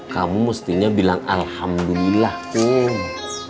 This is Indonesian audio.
kamu mestinya bilang alhamdulillah pum